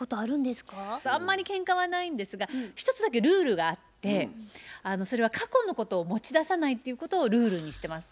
あんまりけんかはないんですが一つだけルールがあってそれは過去のことを持ち出さないっていうことをルールにしてます。